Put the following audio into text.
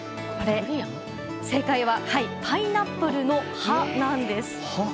正解はパイナップルの葉なんです。